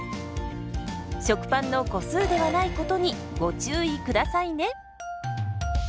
食パンの個数ではないことにご注意下さいね。